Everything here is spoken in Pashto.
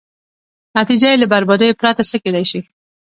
نتېجه یې له بربادیو پرته څه کېدای شي.